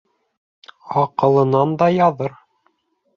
Аҡылынан да яҙыр.